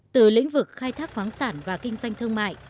từ lĩnh vực khai thác khoáng sản và kinh doanh thương mại